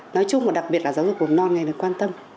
nói chung và đặc biệt là giáo dục của non này là quan tâm